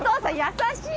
優しい！